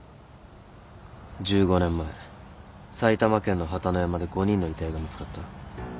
１５年前埼玉県の榛野山で５人の遺体が見つかった。